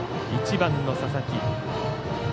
１番の佐々木。